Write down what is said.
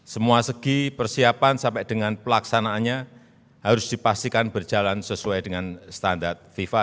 semua segi persiapan sampai dengan pelaksanaannya harus dipastikan berjalan sesuai dengan standar fifa